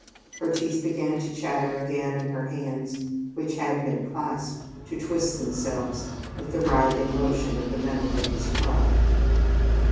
Her teeth began to chatter again, and her hands, which had been clasped, to twist themselves with the writhing motion of the mentally distraught.